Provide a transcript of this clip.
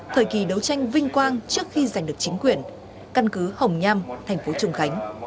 thời kỳ đấu tranh vinh quang trước khi giành được chính quyền căn cứ hồng nham thành phố trùng khánh